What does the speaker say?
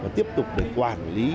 tiếp tục để quản lý